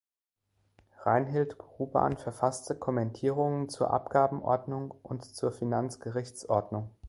Reinhild Ruban verfasste Kommentierungen zur Abgabenordnung und zur Finanzgerichtsordnung.